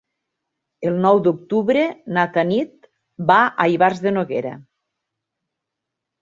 El nou d'octubre na Tanit va a Ivars de Noguera.